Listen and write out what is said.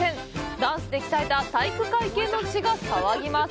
ダンスで鍛えた体育会系の血が騒ぎます！